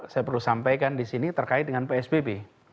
saya perlu sampaikan disini terkait dengan psbb